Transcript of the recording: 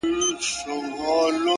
هوښیار انتخاب ستونزې راکموي،